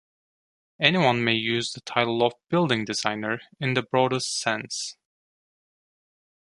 Anyone may use the title of "building designer" in the broadest sense.